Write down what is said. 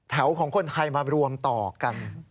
ของคนไทยมารวมต่อกัน